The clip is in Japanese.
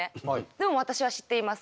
でも私は知っています